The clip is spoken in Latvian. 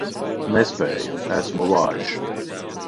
Nespēju, esmu vājš.